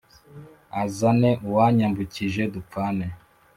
Azane uwanyambukije dupfane